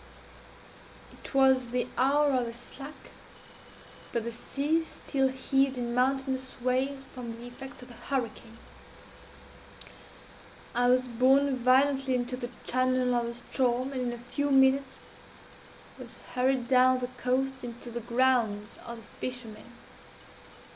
_ It was the 20 hour of the slack, but the sea still heaved in mountainous waves from the effects of the hurricane. I was borne violently into the channel of the Ström, and in a few minutes was hurried down the coast into the 'grounds' of the fishermen.